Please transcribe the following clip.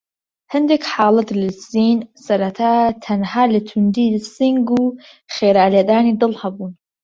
هەندێک حاڵەت لە سین سەرەتا تەنها لە توندی سینگ و خێرا لێدانی دڵ هەبوون.